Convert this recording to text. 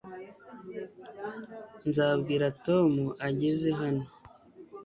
nzabwira tom ageze hano